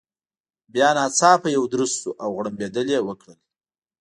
بیا ناڅاپه یو درز شو، او غړمبېدل يې وکړل.